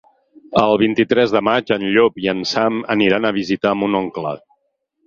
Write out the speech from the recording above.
El vint-i-tres de maig en Llop i en Sam aniran a visitar mon oncle.